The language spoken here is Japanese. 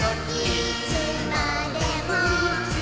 いつまでも。